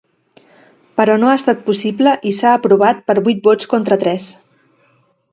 Però no ha estat possible i s’ha aprovat per vuit vots contra tres.